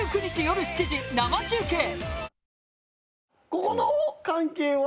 ここの関係は？